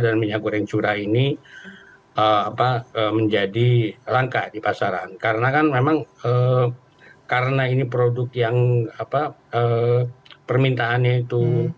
dan minyak goreng curah ini menjadi langka di pasaran karena kan memang karena ini produk yang permintaannya itu